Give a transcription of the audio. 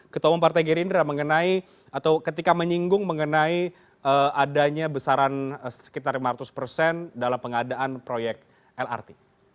ketua umum partai gerindra mengenai atau ketika menyinggung mengenai adanya besaran sekitar lima ratus persen dalam pengadaan proyek lrt